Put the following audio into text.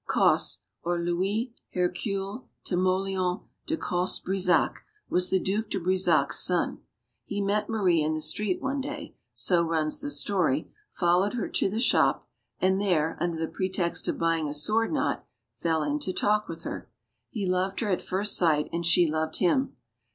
Cosse or Louis Hercule Timoleon de Cosse Brissac was the Due de Brissac's son. He met Marie in the street one day, so runs the story, followed her to the shop, and there, under the pretext of buying a sword knot, fell into talk with her. He loved her at first sight, and she loved him.